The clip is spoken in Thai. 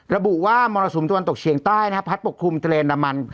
ระบุว่ามรสุมตะวันตกเชียงใต้นะครับพัดปกคลุมทะเลน้ำมัน